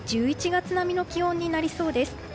１１月並みの気温になりそうです。